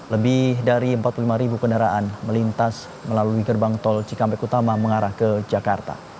lebih dari empat puluh lima ribu kendaraan melintas melalui gerbang tol cikampek utama mengarah ke jakarta